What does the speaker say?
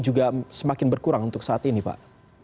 juga semakin berkurang untuk saat ini pak